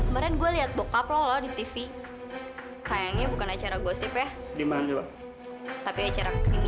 karena bapak aku itu bukan seorang pembunuh